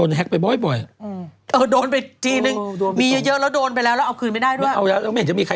สัญญาอีก